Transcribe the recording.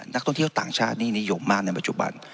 นักท่องเที่ยวต่างชาตินี่นิยมมากในปัจจุบัน